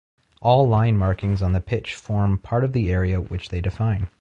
All line markings on the pitch form part of the area which they define.